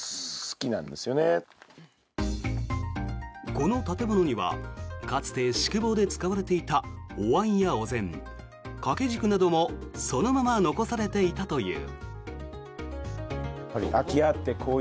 この建物にはかつて宿坊で使われていたお椀やお膳掛け軸などもそのまま残されていたという。